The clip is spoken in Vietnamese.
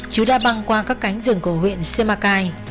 chứ đã băng qua các cánh rừng cổ huyện semakai